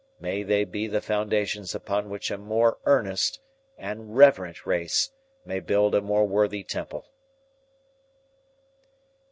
May they be the foundations upon which a more earnest and reverent race may build a more worthy temple."